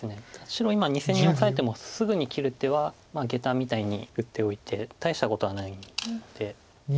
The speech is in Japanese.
白今２線にオサえてもすぐに切る手はゲタみたいに打っておいて大したことはないので。